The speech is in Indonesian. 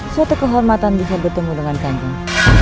suatu kehormatan bisa bertemu dengan kanjeng